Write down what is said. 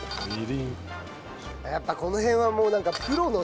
やっぱこの辺はもうなんかプロのさ。